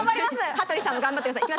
羽鳥さんも頑張ってください。